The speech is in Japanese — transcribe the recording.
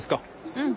うん。